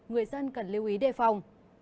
người dân cần lưu ý đề phòng